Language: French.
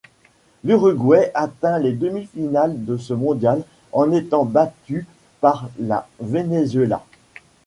L'Uruguay atteint les demi-finales de ce mondial, en étant battue par la Venezuela.